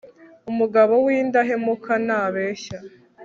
umugabo w'indahemuka ntabeshya